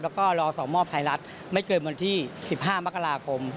แล้วก็รอส่งมอบไทยรัฐไม่เกินวันที่๑๕มกราคม